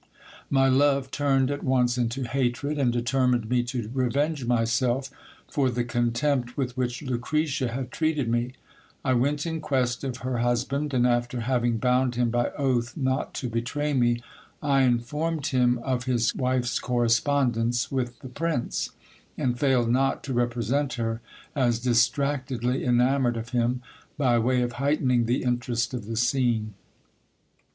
My love turned at once into hatred, and determined me to revenge myself for the contempt with which Lucretia had treated me. I went in quest of her hus band ; and after having bound him by oath net to betray me, I informed him of his wife's correspondence with the prince, and failed not to represent her as distractedly enamoured of him, by way of heightening the interest of the scene.